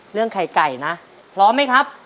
เรื่องไข่ไก่นะพร้อมไหมครับ